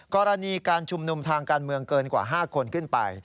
กรณีการชุมนุมทางการเมืองเกินกว่า๕คนขึ้นไป